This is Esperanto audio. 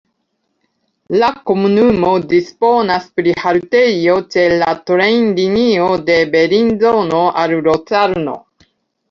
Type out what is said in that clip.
La komunumo disponas pri haltejo ĉe la trajnlinio de Belinzono al Locarno.